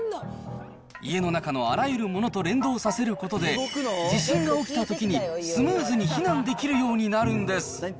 家の中のあらゆるものと連動させることで、地震が起きたときにスムーズに避難できるようになるんです。